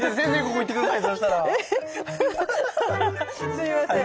すいません。